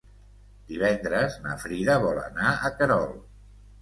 Divendres na Frida vol anar a Querol.